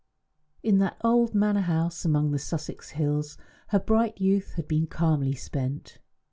In that old manor house among the Sussex hills her bright youth had been calmly spent.